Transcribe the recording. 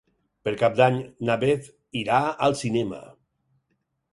Per Cap d'Any na Beth irà al cinema.